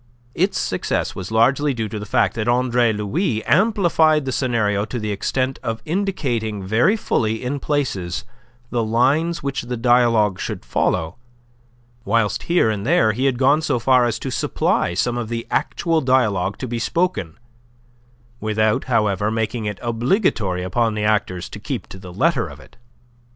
Its success was largely due to the fact that Andre Louis amplified the scenario to the extent of indicating very fully in places the lines which the dialogue should follow, whilst here and there he had gone so far as to supply some of the actual dialogue to be spoken, without, however, making it obligatory upon the actors to keep to the letter of it.